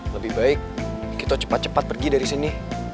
lebih baik kita cepat cepat pergi dari sini